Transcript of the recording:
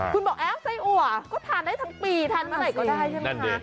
คุณบอกแอปไส้อัวก็ทานได้ทั้งปีทานเมื่อไหร่ก็ได้ใช่ไหมคะ